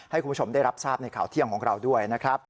ให้คุณผู้ชมได้รับทราบในข่าวเที่ยงของเราด้วยนะครับ